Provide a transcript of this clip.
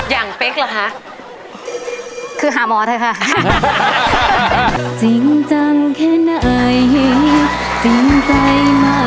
อย่างเป๊กเหรอคะ